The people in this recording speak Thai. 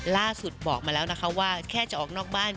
ล่าสุดบอกมาแล้วนะคะว่าแค่จะออกนอกบ้าน